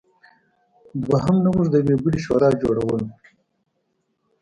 دویم نوښت د یوې بلې شورا جوړول و.